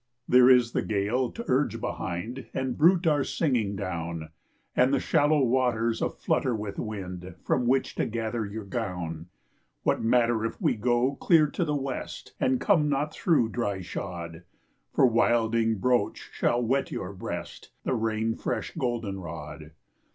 There is the gale to urge behind And bruit our singing down, And the shallow waters a flutter with wind From which to gather your gown. What matter if we go clear to the west, And come not through dry shod? For wilding brooch shall wet your breast, The rain fresh goldenrod.